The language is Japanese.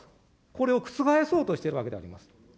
これを覆そうとしているわけであります。